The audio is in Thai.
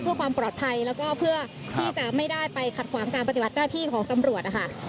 เพื่อความปลอดภัยแล้วก็เพื่อที่จะไม่ได้ไปขัดขวางการปฏิบัติหน้าที่ของตำรวจนะคะ